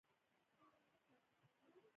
سلیمان غر د کلتوري میراث یوه برخه ده.